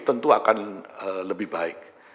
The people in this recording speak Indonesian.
tentu akan lebih baik